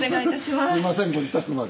すみませんご自宅まで。